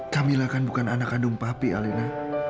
kamila kan bukan anak kandung papi alena